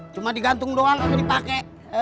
cuma digantung doang dipake